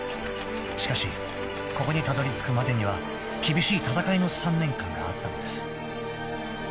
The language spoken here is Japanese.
［しかしここにたどり着くまでには厳しい戦いの３年間があったのです］